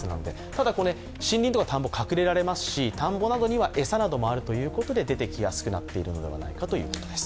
ただ、森林とか田んぼは隠れられますので、田んぼなどには餌もありますので、出てきやすくなっているのではないかということです。